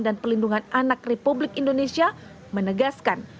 dan pelindungan anak republik indonesia menegaskan